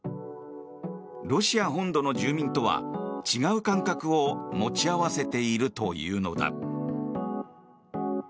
ロシア本土の住民とは違う感覚を持ち合わせているというのだ。